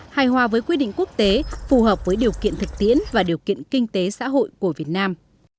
hài hòa với quy định quốc tế phù hợp với điều kiện thực tiễn và điều kiện kinh tế xã hội của việt nam